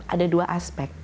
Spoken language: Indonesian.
ada dua aspek